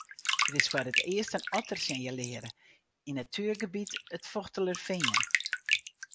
Der is foar it earst in otter sinjalearre yn natuergebiet it Fochtelerfean.